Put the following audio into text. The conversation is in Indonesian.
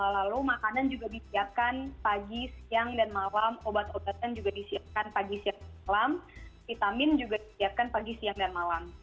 lalu makanan juga disiapkan pagi siang dan malam obat obatan juga disiapkan pagi siang dan malam